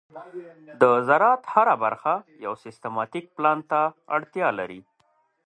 د زراعت هره برخه یو سیستماتيک پلان ته اړتیا لري.